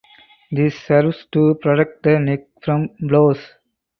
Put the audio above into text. This serves to protect the neck from blows.